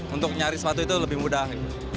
untuk nyari sepatu itu lebih mudah